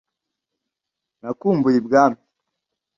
Nakumbuye i Bwami